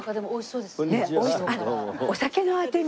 あっお酒のあてに。